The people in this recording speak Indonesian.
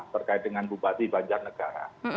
berkait dengan bupati banjarnegara